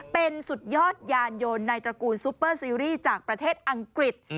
เป็นสุดยอดยานยนต์ในตระกูลซุปเปอร์ซีรีส์จากประเทศอังกฤษ